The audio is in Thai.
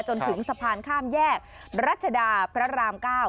จนถึงสะพานข้ามแยกรัชดาพระราม๙